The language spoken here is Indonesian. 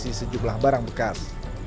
polisi juga mengevakuasi sejumlah barang bekas